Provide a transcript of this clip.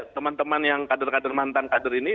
teman teman yang kader kader mantan kader ini